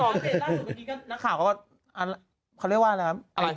นักข่าวเขาเรียกว่าไรนะครับ